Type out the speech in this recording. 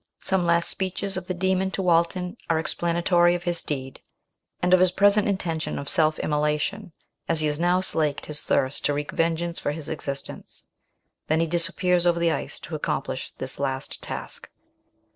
Some last speeches of the demon to Walton are explanatory of his deed, and of his present intention of self immolation, as he has now slaked his thirst to wreak vengeance for his existence. Then he disappears over the ice to accomplish this last task.